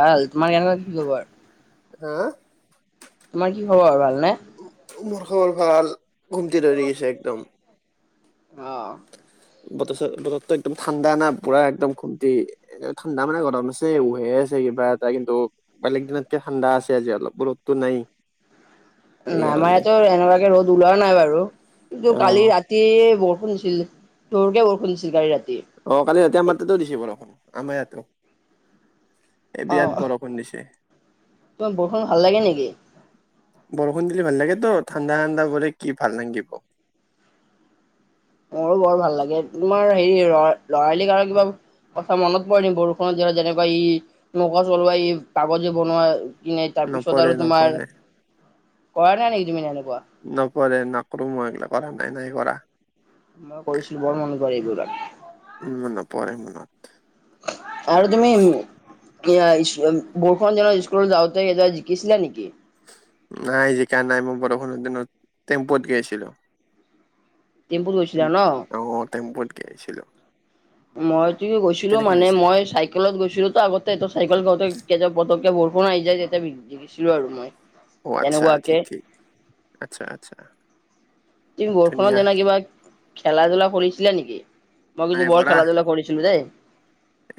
ভাল তোমাৰ কেনেকুৱা কি খবৰ? হা তোমাৰ কি খবৰ আৰু ভাল নে? মোৰ খবৰ ভাল ঘুমতি ধৰি গেছে একদম। অহ বতৰ চ বতৰটো একদম ঠাণ্ডা না পুৰা একদম ঘোমটি ঠাণ্ডা মানে গৰম আছে উহে আছে কিবা এটা কিন্তু বেলেগ দিনতকে ঠাণ্ডা আছে আজি অলপ ৰদতো নাই। নাই আমাৰ সেইকাৰণে ইয়াতো এনেকুৱাকে ৰ'দ ওলোৱা নাই বাৰু কিন্তু অ কালি ৰাতি বৰষূণ ষূণ দিছিল জোৰকে বৰষুণ দিছিল কালি ৰাত অহ, কালি ৰাতি আমাৰ তাতেই দিছে বৰষুণ, আমাৰ আয়তেও এই অ বিৰাট বৰষুণ দিছে। তোমাৰ বৰষুণ ভাল লাগে নেকি? বৰষুণ ষুণ দিলি ভাল লাগে তো ঠাণ্ডা -ঠাণ্ডা কৰে কি ভাল নালগিব মোৰো বৰ ভাল লাগে তোমাৰ হেৰি লৰা- লৰালি কালৰ কিবা কথা মনত পৰে নি বৰষুণত যেনেকোৱা ই নৌকা চলোৱা ই কাগজে বনোৱা কিনে তাৰপিছত আৰু তোমাৰ কৰা নাই নেকি তুমি এনেকুৱা? [inaudible] নপহৰে নকৰো মই এইগলা কৰা নাই -নাই কৰা। মই কৰিছিলো বৰ মন কৰে এইবোৰাক উন, মোৰ নপৰে মনত। আৰু তুমি উম [unintelligible] বৰষুনৰ দিনত স্কুলত যাওঁতে তেতিয়া জিকিছিলা নেকি? নাই জিকা নাই মই বৰষুণৰ দিনত টেম্পুত গেইছিলো। টেম্পুত গৈছিলা ন? অ', টেম্পত গেইছিলো। মই ত গৈছিলো মানে মই চাইকেলত গৈছিলো তো আগতে চাইকেল গতে পতক্কে বৰষুণ ষুণআহি যাই তেতিয়া জিকিছিলো আৰু মই। অহ, আচ্ছা তেনেকুৱাকে। ঠিক- ঠিক, আচ্ছা -আচ্ছা। তুমি ধুনীয়া বৰষুণত এনেই কিবা খেলা- ধূলা কৰিছিলা নেকি? মই নাই কিন্তু বৰ কৰা খেলা- ধূলা কৰিছিলো দে।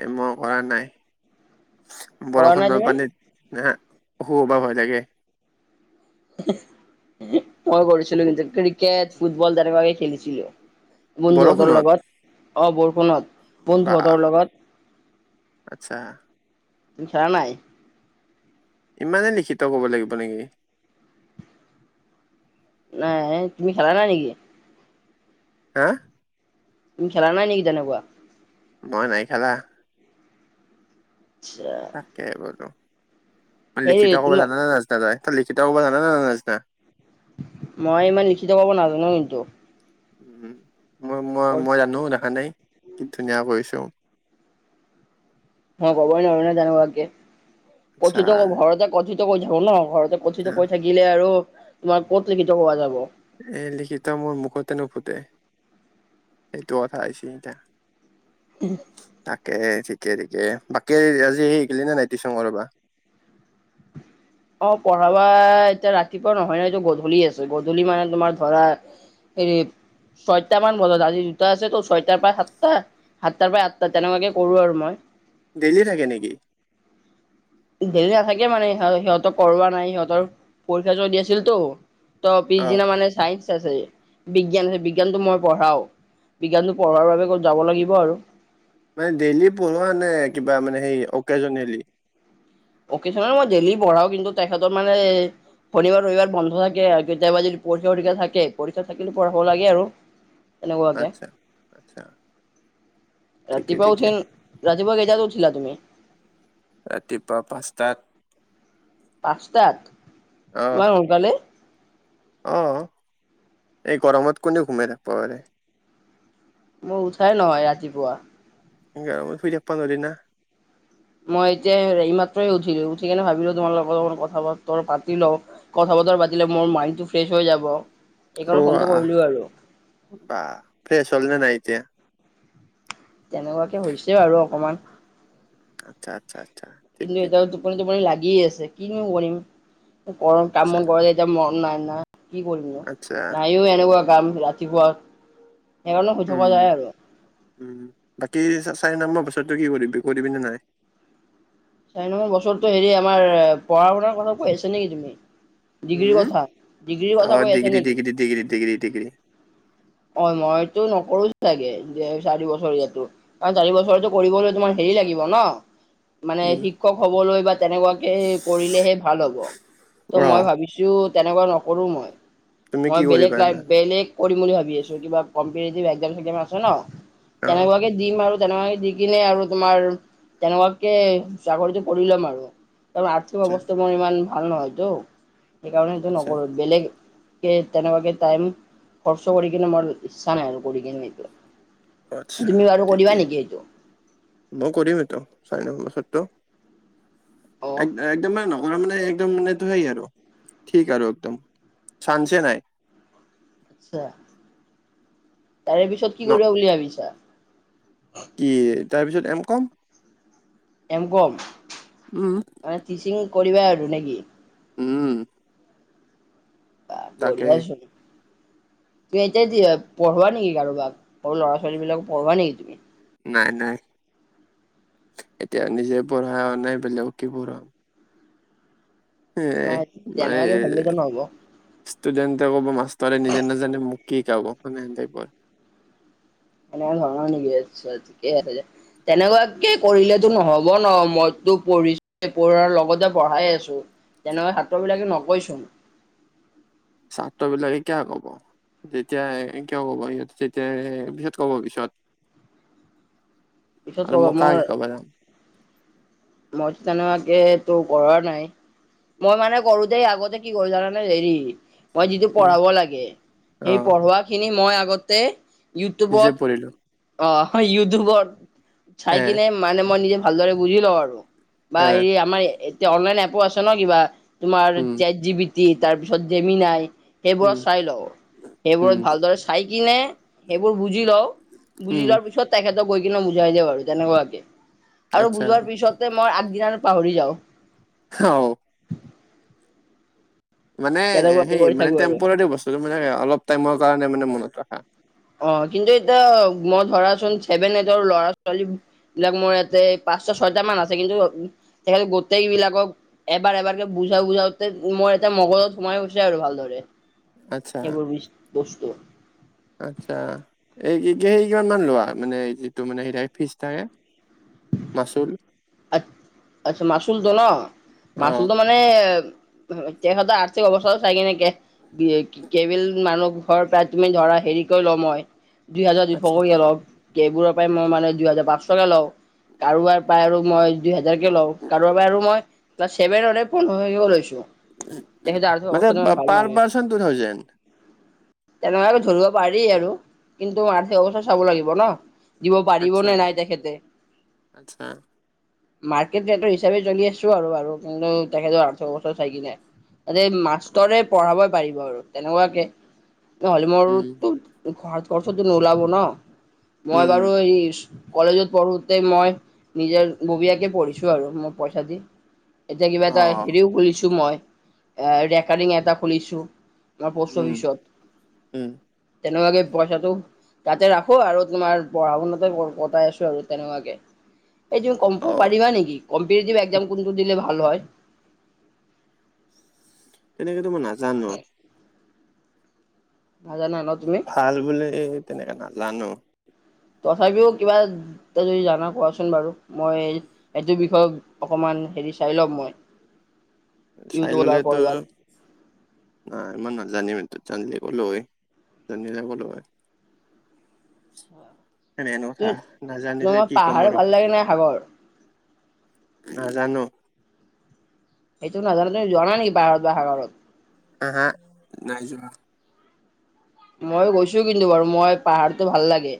এ মই কৰা নাই। কৰা নাই বৰষুণৰ তুমি? পানীত নে অসু- ভা- হৈ থাকে। মই কৰিছিলোঁ শু- কিন্তু, ক্ৰিকেট, ফুটবল তেনেকুৱাকে খেলিছিলোঁ। বন্ধুহঁতৰ লগত, অ' বৰষুণত। বাহ বন্ধুহঁতৰ লগত। আত্ছা। তুমি খেলা নাই? ইমানেই লিখিত কব লাগিব নেকি? নাই তুমি খেলা নাই নেকি? হা তুমি খেলা নাই নেকি তেনেকুৱা? মই নাই খেলা। আচ্ছা তাকে বোলো। মানে হেৰি লিখিত ক'বা তোমা জানানে নাজানা তই? তই লিখিতও ক'বা জানা নে নাজানা? [unintelligible] মই ইমান লিখিত ক'ব নাজানো কিন্তু। উম, মই- মই- মই জানো, দেখা নাই কি ধুনীয়া কৈছোঁ। মই কবই নোৱাৰোঁ ন' তেনেকুৱাকে। আচ্ছা কথিত ম- ঘৰতে কথিত কৈ থাকোঁ ন'। ঘৰতে কথিত আহ, কৈ থাকিলে আৰু তোমাৰ ক'ত লিখিত কোৱা যাব? এই লিখিত মোৰ মুখতে নুফুটে। সেইটো কথা হৈছি এতিয়া। তাকে ঠিকে - ঠিকে। বাকী আজি গেলি না নাই টিউশন কৰাবা? অ' পঢ়াবা, এতিয়া ৰাতিপুৱা নহয় ন'। এইটো গধূলি আছে। গধূলি মানে তোমাৰ ধৰা এই ছয়টা মান বজাত, আজি দুটা আছে তো, ছয়টাৰ পৰা সাতটা সাতটাৰ পৰা আঠটা তেনেকুৱাকে কৰোঁ আৰু মই। ডেইলি থাকে নেকি? ডেইলি নাথাকে মানে, সিহ- সিহঁতক কৰোৱা নাই। সিহঁতৰ পৰীক্ষা চলি আছিলতো। তো অ পিছদিনা মানে ছাইন্স আছে। বিজ্ঞান হে- বিজ্ঞানটো মই পঢ়াওঁ। বিজ্ঞানটো পঢ়োৱাৰ বাবে ক'ত, যাব লাগিব আৰু। মানে ডেইলি পঢ়োৱা নে কিবা মানে সেই অকেজনলি? অকেছনত মই ডেইলি পঢ়াওঁ। কিন্তু তেখেতৰ মানে শনিবাৰ - ৰবিবাৰ বন্ধ থাকে। আৰু কেতিয়াবা যদি পৰী- পৰীক্ষা থাকে, পৰীক্ষা থাকিলে পঢ়াব লাগে আৰু। তেনেকুৱাকে। আচ্ছা, আচ্ছা। ঠিকে ৰাতিপুৱা ঠিকে উঠি- ৰাতিপুৱা কেইটাত উঠিলা তুমি? তাত পাঁচটাত? ইমান সোনকালে? অ'। এই গৰমত কোনে ঘুমাই থাকিব পাৰে? মই উঠাই নহয় ৰাতিপুৱা। গৰমত শুই থাকবা নৰি না। মই এতিয়া এই মাত্ৰই উঠিলোঁ। উঠিকেনে ভাবিলোঁ, তোমাৰ লগত লগত অকন কথা-বতৰ পাতি লওঁ। কথা কথা পাতিলে মোৰ মাইনটো ফ্ৰেছ হৈ যাব। এইকাৰণে ওৱা, ফোনটো কৰিলো আৰু বাহ। ফ্ৰেছ হ'ল নে নাই এতিয়া? তেনেকুৱাকে হৈছে আৰু অকমান। আচ্ছা - আচ্ছা। ঠিক কিন্তু ঠিক এতিয়া টোপনি - টোপনি লাগি আছে। কিনো কৰিম? গৰম- আচ্ছা কামবন কৰা যে এতিয়া মন নাই - নাই। কি কৰিম নো? আচ্ছা নাই অ' এনেকুৱা কাম ৰাতিপুৱা সেইকাৰণে শুই থকা উম যায় আৰু। উম বাকী চাৰি নাম্বৰ বছৰটো কি কৰিবি? কৰিবি নে নাই? চাৰি নম্বৰ বছৰটো হেৰি আমাৰ অ' পঢ়াশুনাৰ কথা কৈ আছা নেকি তুমি? ডিগ্ৰীৰ উম কথা, ডিগ্ৰীৰ অ কথা কৈ আছে ডিগ্ৰী নেকি? ডিগ্ৰী ডিগ্ৰী ডিগ্ৰী ডিগ্ৰী অ' মইতো নকৰোঁ চাগে, যে চাৰি বছৰ ইয়াতো। কাৰণ চাৰি বছৰটো কৰিবলৈ তোমাৰ হেৰি লাগিব ন। মানে কি শিক্ষক হবলৈ বা তেনেকুৱাকে কৰিলেহে ভাল হ'ব। ত অ মই ভাবিছো তেনেকুৱা নকৰো মই তুমি মই কি বেলেগ কৰিবা ল জানে বেলেগ কৰিম বুলি ভাব। কিবা কম্পেতিতিভ একজাম সেকজম আছে নহ, অ তেনেকুৱা কে দিম অৰো [unintelligible] তেনেকুৱা দি কিনে আৰু তোমাৰ তেনেকুৱাকে চাকৰিটো কৰি লম আৰু ত আৰ্থিক আচ্ছা অৱস্থা মোৰ ইমান ভাল নহয়তো সেইকাৰণে সেইটো আচ্ছা নকৰো বেলেগ। তেনেকুৱাকে তাইম খৰচ কৰি কিনে মোৰ ইচ্ছা নাই আৰু কৰি কিনে এই বিলাক। আচ্ছা, ঠিকেই। মই কৰিম এইটো ছয় নং পাছত টো? অ', একদ- একদম মানে ন অলপ মানে একদম মানে ইটো সেই আৰু, ঠিক আৰু একদম। চানচে নাই্ আচ্ছা। তাৰে পিছত কি ন কৰিবা বুলি ভাবিছা? কি তাৰপিছত এম কম। এ কম উম মানে টিচিং কৰিবা আৰু নেকি উম আহ তাকেই বঢ়িয়াই ছুন তুমি এতিয়া পঢ়োৱা নেকি কাৰোবাক ল'ৰা ছোৱালী বিলাক পঢ়োৱা নেকি তুমি নাই নাই এতিয়া নিজে পঢ়া অ নাই বোলেগক কি পঢ়াম। উ নাই মই তেনেকুৱাকে ভাবিলেতো নহ'ব ষ্টুডেণ্টে ক'ব মাষ্টৰে নিজে নাজানে মোক কি শিকাব নেহেতেবৰ [unintelligible] অ হয় নেকি ঠিকে আছে [unintelligible] তেনেকুৱাকে কৰিলেতো নহব ন মইতো পঢ়িছো পঢ়াৰ লগতে পঢ়াই আছো। তেনেকুৱা সাত্ৰ বিলাকে নকয়চোন। ছাত্ৰ বিলাকে কিয় কব? যেতিয়া কিয় ক'ব সিহঁত তেতিয়া পিহত কব পিছত [unintelligible] পিছত আৰু ক'ব মই কাহ কি কব যাম। মই তেনেকুৱাকে তোৰ কৰা নাই। মই মানে কৰো দেই আগতে কি কৰো জানানে হেৰি। মই যিটো কি পঢ়াব লাগে অ সেই পঢ়োৱা খিনি মই আগতে নিজে ইউটিউবত পঢ়িলো অ ইউটিউবত চাই এ কিনে মানে মই নিজে ভালদৰে বুজি লওঁ আৰু বা এ হেৰি আমাৰ এতিয়া অনলাইন এপো আছে ন কিবা তোমাৰ উম তেট জি বি টি তাৰ পিছত জেমিন আাই সেইবোৰত উম চাই লওঁ। [unintelligible] সেইবোৰত উম ভালদৰে চাই কিনে সেইবোৰ বুজি লও বুজি উম লোৱাৰ পিছত তেখেত গৈ কিনে বুজাই দে আৰু তেনেকুৱাকে আৰু আচ্ছা বুজোৱাৰ পিছত [unintelligible] আগদিনানো পাহৰি যাওঁ। অ মানে তেনেকুৱাকে সেই কৰি মানে থাকো আৰু টেম্পৰাৰী বস্তুটো মানে অলপ টাইমৰ কাৰণে মানে মনত ৰখা। অ কিন্তু এতিয়া মই ধৰাচোন ছেভেন এইটৰ ল'ৰা ছোৱালী বিলাক মোৰ ইয়াতে পাঁচ ছয়টা মান আছে কিন্তু তেখেত গোটেই বিলাকক এবাৰ এবাৰকে বুজাও বুজাওতে মই এতিয়া মগজত সোমাই গৈছে আৰু ভালদৰে আচ্ছা সেইবোৰ বি বস্তু। [unintelligible] আচ্ছা এই কি কি হেৰি কিমান মান লোৱা মানে যিটো মানে হ ফিজ থাকে। [unintelligible] মাচুল আ আচ্ছা মাচুলটো ন অ মাচুলটো মানে। তেখতৰ আৰ্থিক অৱস্থা চাইগিনে কে কেবিল মানুহ ঘৰৰ পৰা তুমি ধৰা [unintelligible] হেৰি কৰি লওঁ মই দুইহেজাৰ দুশ আচ্ছা কৰিয়ে লওঁ কেইবোৰৰ পৰাই মই মানে দুহেজাৰ পাঁচশকৈ লওঁ। কাৰোবাৰ পৰায় আৰু মই দুই হাজাৰকে লওঁ কাৰোবাৰ পৰা আৰু মই পায় ছেভেন হড্ৰেড পোন্ধৰ হাজাৰকও লৈছো [unintelligible] তেখেতে আৰ্থিক মানে অৱস্থাটো ইমান ভাল পাৰ নহয়। পাৰ্চন টু থাউজেণ্ড তেনেকুৱাকে ধৰিব পাৰি আৰু কিন্তু আৰ্থিক অৱস্থা চাব লাগিব ন। দিব আচ্ছা পাৰিবনে নাই তেখেতে? আচ্ছা। মাৰ্কেট হিচাপে চলি আছো আৰু ব কিন্তু তেখেতৰ আৰ্থ অৱস্থা চাই কি নে [unintelligible] ত অ মাষ্টৰে পঢ়াবই পাৰিব আৰু তেনেকুৱাকে নহ'লে উম মোৰটো খৰচ খৰ্চটো নোলাব ন মই উম বাৰু এই কলেজত পঢ়োঁতে মই নিজৰ ববীয়াকে পঢ়িছো আৰু মই পইচা দি। এতিয়া কিবা এটা অ', হেৰিও খুলিছো মই এ ৰেকৰ্ডিং এটা খুলিছোঁ। ন পোষ্ট উম, অফিচত উম, তেনেকুৱাকে পইচাটো তাতে ৰাখো আৰু তোমাৰ পঢ়া শুনাতে কটাই আছো আৰু তেনেকুৱাকে। এই তুমি কম অ', পাৰিবা নেকি কম্পিতিতিভ এক্সাম কোনটো দিলে ভাল হয় তেনেকেতো মই নাজানো মই জানো অলপ ভাল বোলে তেনেকাকাে নাজানো [unintelligible] তথাপিও কিবা এটা যদি জানা কোৱাচোন বাৰু মই এইটো বিষয়ে অকমান হেৰি চাই ল'ম মই। চাই ইউটিউবত বা ললেতো কৰবাত ন ইমান নাজানিম। ান্দিল গ'লো হয়ান্িল ক'লো হয় [unintelligible] এনেহেন কথা নাজানিলে তোমাৰ কি ক'ম পাহাৰ বাৰু ভাল লাগে নাই সাগৰ? নাজানো। সেইটো নাজানে তুমি য নেকি বাহত বা সাগৰত আহ হা নাই যোৱা। মই গৈছো কিন্তু বাৰু মই পাহাৰতটো ভাল লাগে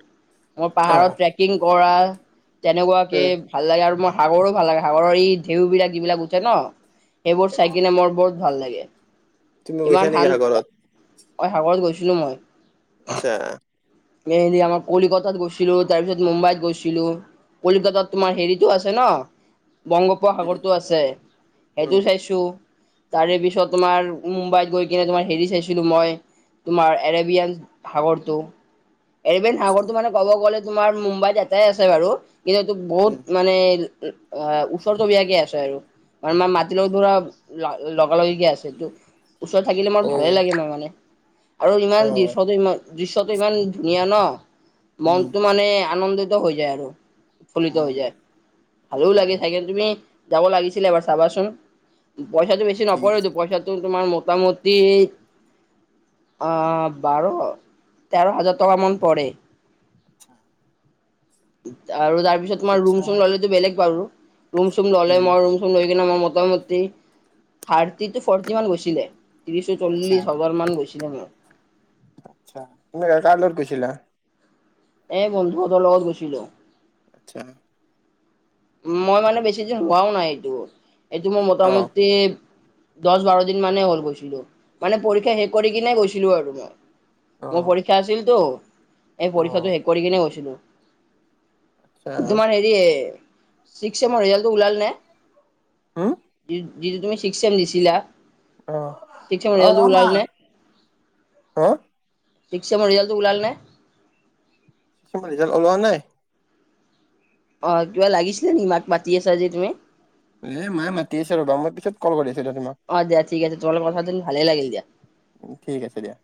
মই অ', পাহাৰত ট্ৰেকিং কৰা এ তেনেকুৱাকে ভাল লাগে আৰু মই সাগৰো ভাল লাগে সাগৰৰ ই ঢেউ বিলাক যিবিলাক উঠে ন। এইবোৰ অ', চাইকিনে মোৰ বহুত ভাল লাগে। তুমি গৈছা নেকি সাগৰত? অই সাগৰত গৈছিলো মই। আচ্ছা, এ আমাৰ কলিকাতাত গৈছিলো তাৰপিছত মুম্বাইত গৈছিলো। কলিকাতাত তোমাৰ হেৰিতো আছে ন। উম, বংগোপসাগৰটো আছে উম, সেইটো চাইছোঁ। তাৰে পিছত তোমাৰ মুম্বাইত গৈ কিনে তোমাৰ হেৰি চাইছিলো মই তোমাৰ এৰেবিয়ান সাগৰটো। এৰেবিয়ান আচ্ছা, সাগৰটো মানে ক'ব গ'লে তোমাৰ মুম্বাইত এটাই আছে বাৰু কিন্তু এইটো উম, বহুত মানে অ ওচৰ চবিয়াকে আছে আৰু। মানে মাৰ মাটি লগত ধৰা লগ লগি আছে এইটো। ওচৰৰত থাকিলে মোৰ ভালে অ', লাগে মাৰ মানে। আৰু ইমান দৃশ্য অ', ইমান দৃশ্যটো ইমান ধুনীয়া ন উম, মনটো মানে আনন্দিত হৈ যায় আৰু উৎ ফুললিত হৈ উম, যায় ভালেও আচ্ছা, লাগে থাকে তুমি। যাব লাগিছিলে এবাৰ চাবাচোন পইচাটো বেছি ঠিক নপৰেতো আছে, পইচাটো তোমাৰ মোটামুটি আহ বাৰ তেৰ হাজাৰ টকা মান পৰে। [inaudible] ঠিক আৰু আছে তাৰ পিছত তোমাৰ ৰুম চাম, চুম ললেতো বেলেগ বাৰু ৰুম চুম ললে উম, মই ৰুম চ লৈ মূতা মুতি থাৰ্টি টো ফটি মান গৈছিলে। ত্ৰিশ চল্লিশ হাজাৰ মান গৈছিলে মোৰ। আচা তুমি কাৰ লগত গৈছিলা? এ বন্ধু তৰ লগত গৈছিলো। আচ্ছা। মই মানে বেছি দিন হোৱাও নাই এইটো এইটো মোৰ মোটামুটি দহ বাৰ দিন মানে হ'ল গৈছিলো, মানে পৰীক্ষা শেষ কৰি কিনে গৈছিলো আৰু মই। মোৰ পৰীক্ষা আছিলতো এই পৰীক্ষাতটো শেষ কৰি কিনে গৈছিলো। তোমাৰ হেৰি চিক্স ছেমৰ ৰিজালটটো ওলাল নে? যিটো তুমি চিক্স চেম দিছিলা? পিছে [unintelligible] উলাল নে? পিক্সেমৰ ৰিজাল্ট টো ওলাল নে? ৰিজাল্ট ওলোৱা নাই। অ', কিবা লাগিছিলে নেকি মাক মাতি আছা যে তুমি? এ মায়ে মাতি আছে ৰ'বা মই পিছত কল কৰি আছিলো দে তোমাক। অ দিয়া ঠিক আছে তোমাৰ লগত কথা পাতি ভালে লাগিল দিয়া ঠিক আছে দিয়া।